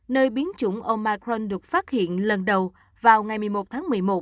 nơi biến chủng omarn được phát hiện lần đầu vào ngày một mươi một tháng một mươi một